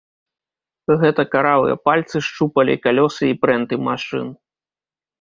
Гэта каравыя пальцы шчупалі калёсы і прэнты машын.